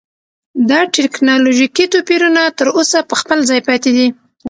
دا ټکنالوژیکي توپیرونه تر اوسه په خپل ځای پاتې دي.